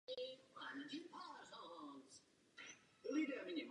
Ostatní silnice jsou již pouze místního nebo oblastního významu.